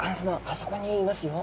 そこにいますよ。